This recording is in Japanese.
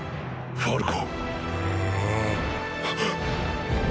ファルコ。